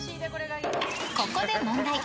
ここで問題。